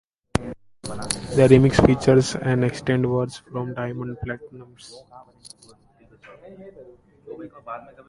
The remix features an extended verse from Diamomnd Platnumz.